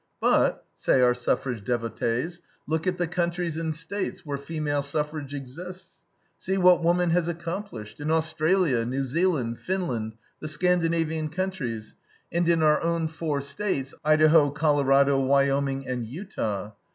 But, say our suffrage devotees, look at the countries and States where female suffrage exists. See what woman has accomplished in Australia, New Zealand, Finland, the Scandinavian countries, and in our own four States, Idaho, Colorado, Wyoming, and Utah.